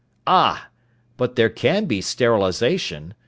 "Ah! But there can be sterilization.